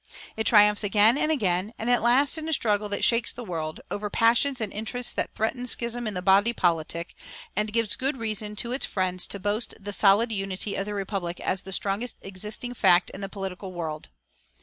It triumphs again and again, and at last in a struggle that shakes the world, over passions and interests that threaten schism in the body politic, and gives good reason to its friends to boast the solid unity of the republic as the strongest existing fact in the political world.